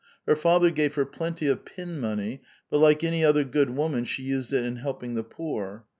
Her father gave her plenty of pin money, but like any other good woman she used it in helping the poor.